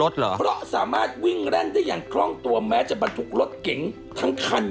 ถามคุณครับว่าคุณน่ะเนื่อยไหม